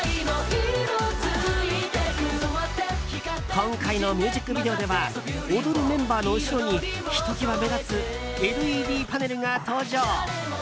今回のミュージックビデオでは踊るメンバーの後ろにひときわ目立つＬＥＤパネルが登場。